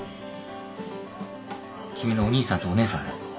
君のお兄さんとお姉さんだ。